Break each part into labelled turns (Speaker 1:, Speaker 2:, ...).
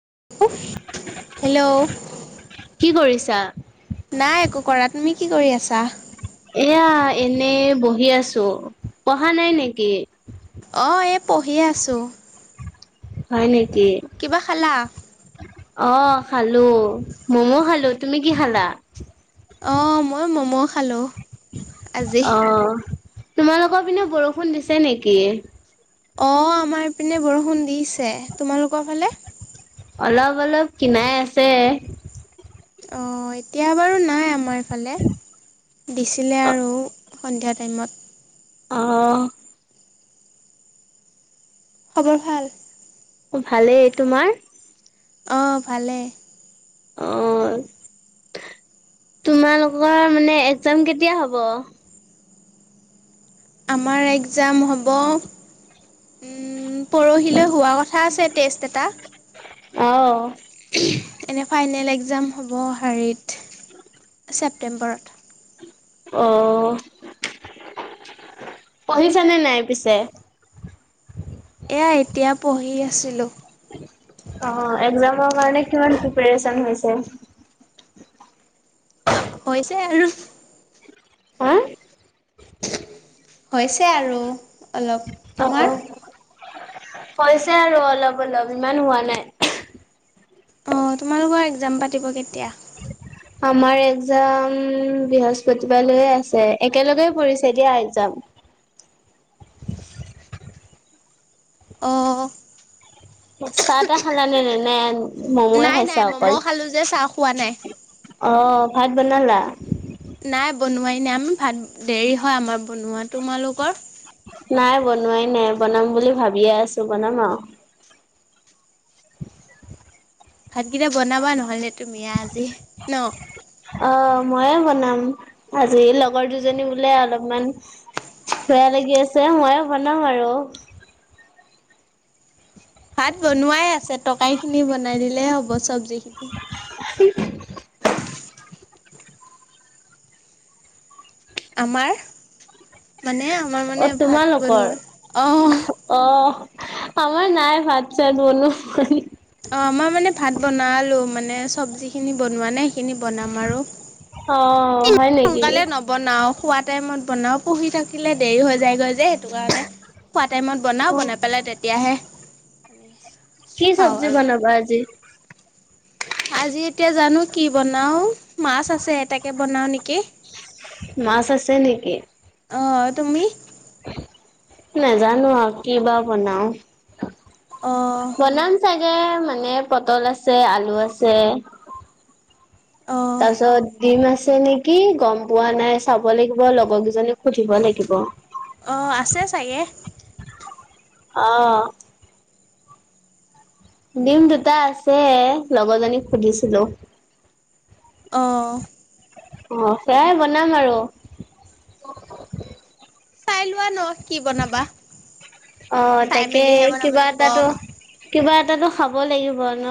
Speaker 1: কি
Speaker 2: হেল্ল'
Speaker 1: কৰিছে? তাত
Speaker 2: নাই একো কৰা তুমি কি কৰি আছা?
Speaker 1: এয়া এনে বহি আছো ।পঢ়া নাই নেকি?
Speaker 2: অঁ এই পঢ়ি আছোঁ।
Speaker 1: হয় নেকি?
Speaker 2: কিবা খালা?
Speaker 1: অ খালো মইও খালো ।তুমি কি খালা?
Speaker 2: অ মই ম'ম' খালোঁ। আজি
Speaker 1: অ'। তোমালোকৰ পিনে বৰষুণ দিছে নেকি,?
Speaker 2: অ আমাৰপিনে বৰষুণ দিছে তোমালোকৰ ফালে
Speaker 1: অলপ অলপ কিনাই আছে
Speaker 2: অ এতিয়া বাৰু নাই আমাৰ হ'লে দিছিলে আৰু সন্ধিয়া টাইমত
Speaker 1: আহ
Speaker 2: খবৰ ভাল
Speaker 1: অ ভালেই তোমাৰ
Speaker 2: অঁ ভালে
Speaker 1: অ তোমালোকৰ মানে এক্জাম কেতিয়া হ'ব?
Speaker 2: আমাৰ একজাম হ'ব পৰহিলৈ হোৱা কথা আছে টেষ্ট এটা
Speaker 1: আহ
Speaker 2: এনে ফাইনেল এক্জাম হ'ব শেৰিত ছেপটেম্বৰত?
Speaker 1: আহ পঢ়িছানে নাই পিছে?
Speaker 2: এয়া এতিয়া পঢ়ি আছিলোঁ?
Speaker 1: অ এক্জামৰ কাৰণে কিমান প্ৰিপৰেচন হৈছে?
Speaker 2: হৈছে আৰু
Speaker 1: হা
Speaker 2: হৈছে আৰু অলপ তোমাৰ
Speaker 1: পইচা আৰু অলপ অলপ ইমান হোৱা নাই।
Speaker 2: অঁ তোমালোকৰ এক্জাম পাতিব কেতিয়া?
Speaker 1: আমাৰ এক্জাম বৃহস্পতিবালৈয়ে আছে। একেলগে পৰিঢ়ছে দিয়া এক্জাম।
Speaker 2: অঁ
Speaker 1: চাহ তাহ খালানে নে নে? ম ম য়ে
Speaker 2: নাই
Speaker 1: খাইছা
Speaker 2: নাই ম'ম'
Speaker 1: অকল?
Speaker 2: খালোঁ যে চাহ খোৱা নাই
Speaker 1: অ ভাত বনালা?
Speaker 2: এ আমি ভাত দেৰি হয় আমাৰ বনোৱা। তোমালোকৰ?
Speaker 1: নাই বনোৱাই নাই বনাম বুলি ভাবিয়ে আছোঁ, বনাম আৰু।
Speaker 2: ভাতকেইটা বনাবা নহ'লে তুমিযে আজি ন।
Speaker 1: অ ময়ে বনাম আজি লগৰ দুজনী বোলে, অলপমান বেয়া লাগি আছে, ময়ে বনাম আৰু।
Speaker 2: ভাত বনোৱাই আছে। তৰকাৰী খিনি বনাই দিলেই হ'ব চব্জিখিনি। [unintelligible] আমাৰ মানে আমাৰ মানে
Speaker 1: অ'
Speaker 2: ভাত
Speaker 1: তোমালোকৰ?
Speaker 2: বনোৱাই, অ'
Speaker 1: অ' আমাৰ নাই ভাত-চাত বনোৱা।
Speaker 2: আমাৰ মানে ভাত বনালোঁ। মানে, চব্জিখিনি বনোৱা নাই। খিনি বনাম আৰু।
Speaker 1: অ' হয় নেকি?
Speaker 2: সোনকালে নবনাও, খোৱা টাইমত বনাও পহী থাকো থাকিলে দেৰি হৈ যায়গৈ যে, সেইটো কাৰণে হয়। খোৱা টাইমত বনাও,
Speaker 1: অ'
Speaker 2: বনাই পেলাই তেতিয়াহে মানে
Speaker 1: কি,
Speaker 2: খাওঁ
Speaker 1: চব্জি
Speaker 2: আৰু
Speaker 1: বনাবা আজি?
Speaker 2: আজি এতিয়া জানো, কি বনাও। মাছ আছে, তাকে বনাও নেকি।
Speaker 1: মাছ আছে নেকি?
Speaker 2: অ', তুমি?
Speaker 1: নাজানো আও কি বা বনাও।
Speaker 2: অ
Speaker 1: বনাম চাগে মানে পটল আছে, আলু আছে
Speaker 2: অ
Speaker 1: তাৰ পিছত ডিম আছে নেকি, গম পোৱা নাই' চাব লাগিব লগৰ কেইজনী
Speaker 2: অহ', আছে চাগে।
Speaker 1: অহ'। ডিম দুটা আছে। লগৰজনীক সুধিছিলো।
Speaker 2: অঁ'।
Speaker 1: অ', সেয়াই বনাম আৰু।
Speaker 2: চাই লোৱা ন? কি বনাবা,
Speaker 1: অ'
Speaker 2: চাই
Speaker 1: তাকে
Speaker 2: মেলিহে বনাব
Speaker 1: কিবা
Speaker 2: লাগিব।
Speaker 1: এটাতো কিবা এটাতটো খাব লাগিব ন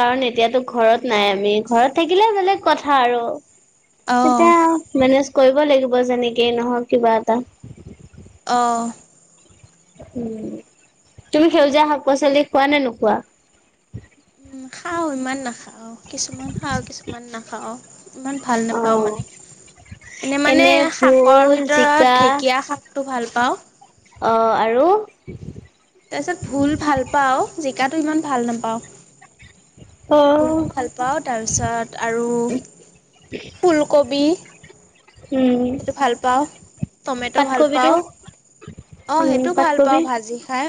Speaker 1: কাৰণ, এতিয়াতো ঘৰত নাই আমি। ঘৰত থাকিলে বেলেগ কথা আৰু।
Speaker 2: অ
Speaker 1: তাকে আৱ মেনেজ কৰিব লাগিব, যেনেকে নহওক কিবা এটা।
Speaker 2: অ
Speaker 1: উম তুমি সেউজীয়া শাক পাচলি খোৱা নে নোখোৱা
Speaker 2: উম খাও ইমান নাখাও কিছুমান খাওঁ কিছুমান নাখাওঁ ইমান ভাল নাপাওঁ মানে এনে মানে শাকৰ
Speaker 1: ভোল, জিকা
Speaker 2: ভিতৰত ঢেঁকীয়া শাকটো ভাল পাওঁ।
Speaker 1: অ' [inaudible]
Speaker 2: তাৰ পিছত ভুল ভাল পাওঁ। জিকাটো ইমান ভাল নাপাওঁ। ভুলটো ভাল পাওঁ তাৰপিছত আৰু ফুলকবি
Speaker 1: উম,
Speaker 2: সেইটো ভাল পাওঁ টমেট ভাল
Speaker 1: পাতকবিটো
Speaker 2: পাওঁ অহ
Speaker 1: উম,
Speaker 2: সেইটো ভাল
Speaker 1: পাতকবি
Speaker 2: পাওঁ ভাজি খাই।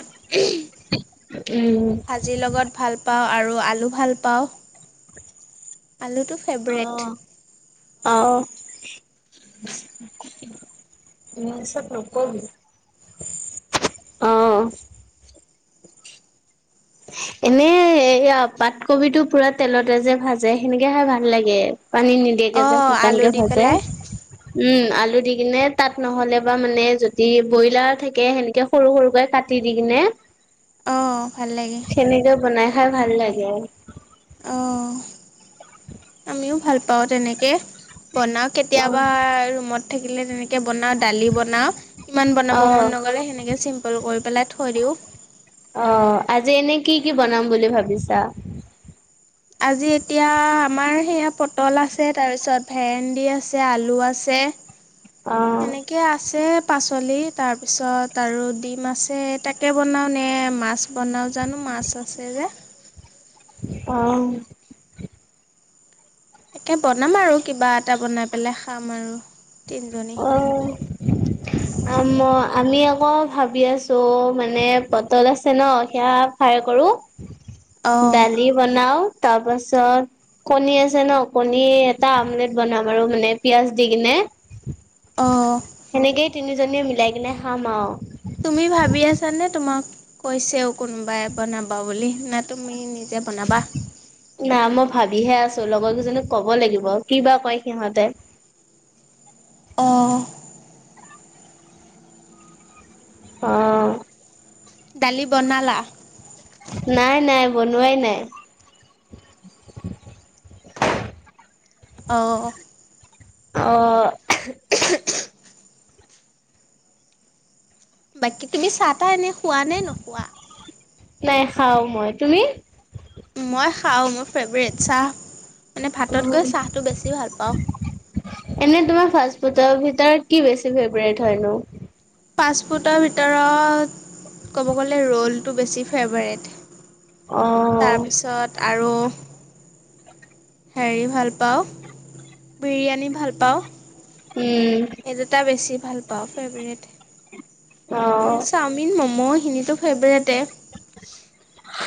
Speaker 1: উম।
Speaker 2: ভাজিৰ লগত ভাল পাওঁ আৰু আলু ভাল পাওঁ। আলুটো ফেভৰেট।
Speaker 1: অহ -অহ [unintelligible] অহ এনে, এয়া পাতকবি টো পুৰা তেলতে যে ভাজে সেনেকে খাই ভাল লাগে। পানী নিদিয়াকে যে
Speaker 2: অঁ আলু
Speaker 1: শুকানকে
Speaker 2: দি
Speaker 1: ভাজে
Speaker 2: পেলাই,
Speaker 1: উম। আলু দি কিনে তাত নহ'লে বা মানে যদি ব্ৰইলাৰ থাকে সেনেকে সৰু- সৰুকৈ কাটি দি কিনে
Speaker 2: অহ
Speaker 1: সেনেকে বনাই। খাই ভাল লাগে আৰু
Speaker 2: অহ আমিও ভাল পাও তেনেকে। বনাও
Speaker 1: অ
Speaker 2: কেতিয়াবা ৰুমত। থাকিলে তেনে কে বনাও দালি বনাও ইমান বনাব
Speaker 1: অ
Speaker 2: মন নকৰে সেনেকে চিম্পল কৰি পেলাই থৈ দিওঁ।
Speaker 1: অ আজি এনে কি- কি বনাম বুলি ভাবিছা?
Speaker 2: আজি এতিয়া আমাৰ সেয়া পটল আছে, তাৰপিছত ভেন্দি আছে, আলু আছে
Speaker 1: অ
Speaker 2: সেনেকে আছে পাচলি তাৰপিছত আৰু ডিম আছে তাকে বনাও নে, মাছ বনাও জানো মাছ আছে যে।
Speaker 1: অহ
Speaker 2: তাকে বনাম আৰু কিবা তিনিজনী
Speaker 1: অহ, আম আমি আকৌ ভাবি আছো মানে পটল আছে ন' সেয়া ফ্ৰাই কৰো
Speaker 2: অঁ
Speaker 1: ডালি বনাও তাৰপাছত কণী আছে ন' কণী এটা আমলেট বনাম আৰু মানে পিয়াজ দি কিনে।
Speaker 2: অঁ
Speaker 1: [inaudible] সেনেকেই তিনিজনীয়ে মিলাই কিনে খাম আৰু।
Speaker 2: তুমি ভাবি আছানে তোমাক কৈছেও কোনবাই বনাবা বুলি না তুমি নি
Speaker 1: নাই, মই ভাবিহে আছ ছোঁ, লগৰ কেইজনীক কব লাগিব কিবা কয় সিহঁতে!
Speaker 2: অঁ।
Speaker 1: আঁ।
Speaker 2: দালি বনালা?
Speaker 1: নাই নাই বনোৱাই নাই।
Speaker 2: অঁ।
Speaker 1: অ'।
Speaker 2: বাকী তুমি চাহ তাহ এনে খোৱা নে নোখোৱা?
Speaker 1: নাই, খাও মই। তুমি?
Speaker 2: মই খাওঁ। মোৰ ফেভৰেট, চাহ মানে
Speaker 1: অ
Speaker 2: ভাততকৈ চাহটো বেছি ভাল পাওঁ।
Speaker 1: এনে [unintelligible] ভিতৰত কি বেছি ফেভৰেট হয়নো?
Speaker 2: পাষ্ট ফুটৰ ভিতৰত, ক'ব গ'লে ৰোলটো বেছি ফেভৰেট।
Speaker 1: অ
Speaker 2: তাৰপিছত আৰু হেৰি ভাল পাওঁ, বিৰিয়ানী ভাল পাওঁ।
Speaker 1: উম
Speaker 2: এই দুটা বেছি। ভাল পাওঁ ফেভৰেট।
Speaker 1: অ
Speaker 2: এনে চাওমিন, মম' [unintelligible] টো ফেবৰেত টে।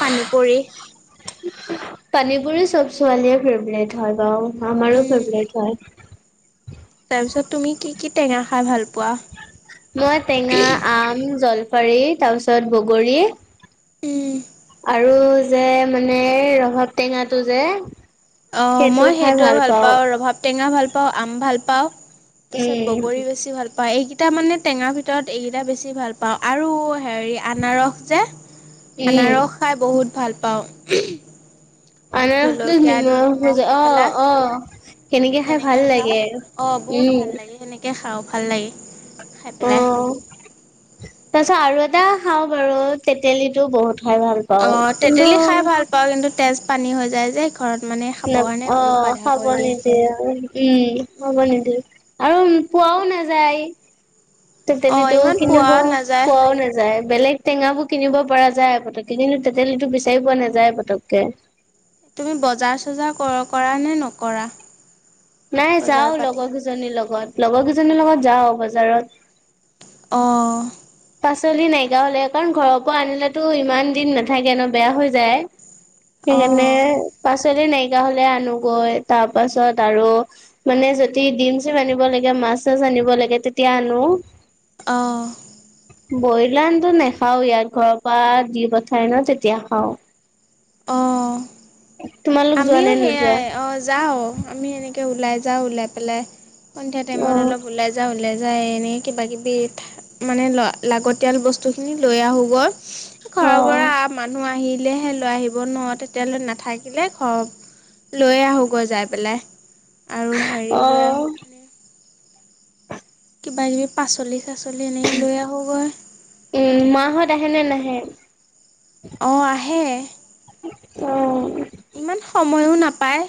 Speaker 2: পানীপুৰি।
Speaker 1: পানীপুৰি চব ছোৱালীয়ে ফেভৰেট হয় বাউ। আমাৰো ফেভৰেত হয়।
Speaker 2: তাৰপিছত তুমি কি কি টেঙা খাই ভাল পোৱা?
Speaker 1: মই টেঙা আম, জল পাৰী তাৰপিছত বগৰী
Speaker 2: উম।
Speaker 1: আৰু যে মানে ৰভাব টেঙাটো যে।
Speaker 2: অ
Speaker 1: সেইটো
Speaker 2: মই
Speaker 1: খাই
Speaker 2: সেইটোয়ে ভাল
Speaker 1: পাওঁ
Speaker 2: পাও ৰভাৱ টেঙা ভাল পাওঁ, আম ভাল পাওঁ। তাৰপিছত
Speaker 1: উম
Speaker 2: বগৰী বেছি ভাল পাই, এইগিটা মানে টেঙাৰ ভিতৰত এইগিটা বেছি ভাল পাওঁ আৰু হেৰি আনাৰস যে
Speaker 1: উম
Speaker 2: আনাৰস খাই বহুত ভাল পাওঁ। [unintelligible]
Speaker 1: আনাৰসটো
Speaker 2: জলকীয়া দি
Speaker 1: নিমখো
Speaker 2: নিমখ
Speaker 1: জ
Speaker 2: দি
Speaker 1: অ
Speaker 2: পেলাই
Speaker 1: অহ, সেনেকে খাই ভাল লাগে।
Speaker 2: অ' বহুত ভাল
Speaker 1: উম।
Speaker 2: লাগে সেনেকে খাওঁ ভাল লাগে। খাই
Speaker 1: অ
Speaker 2: পেলাই।
Speaker 1: তাৰপিছত আৰু এ টা খাওঁ বাৰু তেতেলিটো বহুত খাই ভাল
Speaker 2: অ
Speaker 1: পাওঁ কিন্তু
Speaker 2: তেতেলী খাই ভাল পাওঁ কিন্তু তেজ পানী হৈ যায় যে। ঘৰত মানে খাবৰ কাৰণে
Speaker 1: অ
Speaker 2: অলপ বাধা
Speaker 1: হ'ব
Speaker 2: কৰি দিয়ে।
Speaker 1: নিদিয়ে উম, হ'ব
Speaker 2: উম।
Speaker 1: নিদিয়ে আৰু পোৱাও নাযায়।
Speaker 2: অঁ
Speaker 1: তেতেলিটো
Speaker 2: ইমান পোৱা
Speaker 1: কিনিব
Speaker 2: নাযায়
Speaker 1: পোৱাও নাযায়, বেলেগ টেঙাবোৰ কিনিব পৰা যায় পতককে কিন্তু তেতেলীটো বিচাৰি পোৱা নাযায় পতককে।
Speaker 2: তুমি বজাৰ চজাৰ কৰ কৰা নে নকৰা?
Speaker 1: নাই
Speaker 2: বজাৰ
Speaker 1: যাও
Speaker 2: পাতি
Speaker 1: লগৰ কেইজনীৰ লগত। লগৰ কেইজনীৰ লগত যাও বজাৰত।
Speaker 2: অঁ।
Speaker 1: পাচলি নাইকিয়া হলে কাৰণ ঘৰৰ পৰা আনিলেতো ইমান দিন নাথাকে ন বেয়া হৈ যায়। সেইকাৰণে
Speaker 2: অঁ
Speaker 1: পাচলি নাই কিয়া হলে আনোগৈ, তাৰ পাছত আৰু মানে যদি ডিম চিম আনিব লাগে মাচ চাছ আনিব লাগে তেতিয়া আনো।
Speaker 2: অঁ।
Speaker 1: বইলাৰটো নেখাও ইয়াত ঘৰৰ পৰা দি পঠাই ন তেতিয়া খাও।
Speaker 2: অঁ।
Speaker 1: তোমালোক যোৱা
Speaker 2: আমিও
Speaker 1: নে নোযোৱা?
Speaker 2: সেইয়াই অ যাও, আমি সেনেকে ও লাই যাওঁ ওলাই পেলাই সন্ধিয়া টাইমত
Speaker 1: অ',
Speaker 2: অলপ ওলাই যাওঁ ওলাই যায় এনেই কিবা কিবি, মানে ল লাগতিয়াল বস্তুখিনি লৈ আহোঁগৈ। ঘৰৰ
Speaker 1: অ',
Speaker 2: পৰা মানুহ আহি দিলেহে লৈ আহিব ন তেতিয়ালৈ নাথাকিলে হব, লৈ আহোঁগৈ যাই পেলাই। আৰু হেৰি
Speaker 1: অ
Speaker 2: লৈ আহোঁ
Speaker 1: ।
Speaker 2: মানে কিবা কিবি পাচলি পাচলি এনে লৈ আহোঁগৈ।
Speaker 1: উম, মাহত আহে নে নাহে?
Speaker 2: অ আহে।
Speaker 1: অ।
Speaker 2: ইমান সময়ো নাপায়।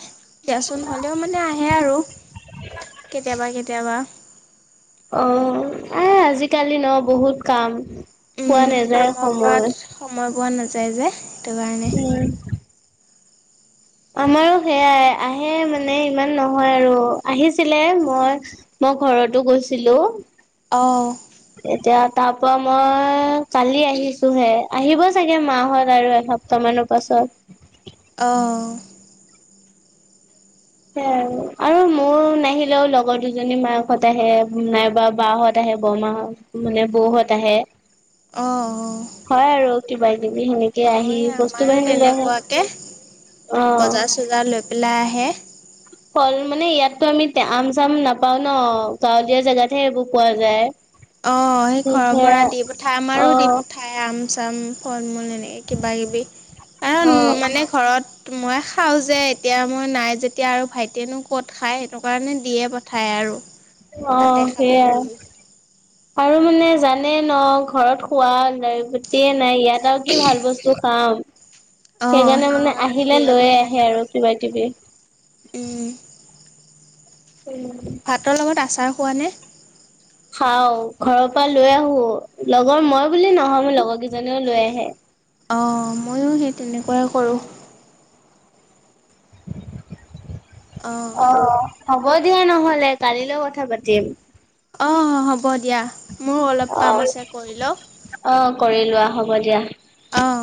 Speaker 2: দিয়াচোন হ'লেও মানে আহে আৰু, কেতিয়াবা কেতিয়াবা।
Speaker 1: অ, এ আজিকালি ন বহুত কাম। পোৱা
Speaker 2: উম
Speaker 1: নাযায়
Speaker 2: কামৰ পৰা
Speaker 1: সময়
Speaker 2: সময় পোৱা নাযা যাই যে। সেইটো কাৰণে।
Speaker 1: উম। আমাৰো সেয়াই আহে মানে ইমান নহয় আৰু আহিছিলে মই মই ঘৰতো গৈছিলো।
Speaker 2: অ'হ
Speaker 1: তাৰপৰা মই কালি আহিছো হে আহিব। চাগে মাহত আৰু এসপ্তাহ মানৰ পাছত।
Speaker 2: আহঁ
Speaker 1: সেয়া আৰু মোৰ নাহিলেও লগৰ দুজনী মাকহঁত আহে নাইবা বাহত আহে বৰমাহত মানে বৌহত আহে।
Speaker 2: অঁ অ
Speaker 1: হয় আৰু কিবা কিবি সেনেকে
Speaker 2: অঁ
Speaker 1: আহি
Speaker 2: এই
Speaker 1: বস্তু
Speaker 2: আমাৰো
Speaker 1: বাহিনী লৈ আহে
Speaker 2: তেনেকুৱাকে
Speaker 1: অ
Speaker 2: বজাৰ চজাৰ লৈ পেলাই আহে।
Speaker 1: ফল মানে ইয়াতো আমি আম চাম নাপাওঁ ন গাঁৱলীয়া জেগাতহে সেইবোৰ পোৱা যায়।
Speaker 2: অ সেই ঘৰৰ পৰা
Speaker 1: সেয়া
Speaker 2: দি পঠাই আমাৰো দি
Speaker 1: অ',
Speaker 2: পঠাই আম। চাম ফৰ্মলৈ। কিবা কিবি কাৰণ
Speaker 1: অ',
Speaker 2: মানে ঘৰত। মই খাওঁ যে এতিয়া মই নাই যেতিয়া আৰু ভাইটিয়েনো ক'ত খায় সেইটো কাৰণে দিয়ে পঠায় আৰু।
Speaker 1: অ
Speaker 2: তাতে খাব বুলি
Speaker 1: সেইয়াই আৰু মানে জানে ন ঘৰত খোৱা বোৱা গতিয়ে নাই ইয়াত আৰু কি ভাল বস্তু খাম
Speaker 2: অ
Speaker 1: সেইকাৰণে
Speaker 2: সেইটো
Speaker 1: মানে
Speaker 2: কাৰণে
Speaker 1: আহিলে
Speaker 2: দিয়ে
Speaker 1: লৈয়ে
Speaker 2: পঠায়
Speaker 1: আহে আৰু কিবা -কিবি।
Speaker 2: উম ভাতৰ লগত
Speaker 1: উম
Speaker 2: আচাৰ খোৱা নে?
Speaker 1: খাওঁ ঘৰৰ পৰা লৈ আহো লগ মই মই বুলি নহয় মোৰ লগৰ কেইজনিও লৈ আহে।
Speaker 2: অঁ ময়ো সেই তেনেকুৱাই কৰোঁ। অ
Speaker 1: অহ হ'ব দিয়া নহ'লে কালিলৈ কথা পাতিম।
Speaker 2: অঁ হ'ব দিয়া। মোৰ অলপ কাম
Speaker 1: অ',
Speaker 2: আছে কৰি লওঁ
Speaker 1: অ', কৰি লোৱা হ'ব দিয়া।
Speaker 2: অঁ